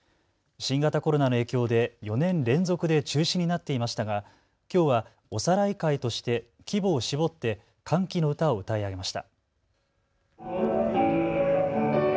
新型コロナの影響で４年連続で中止になっていましたがきょうはおさらい会として規模を絞って歓喜の歌を歌い上げました。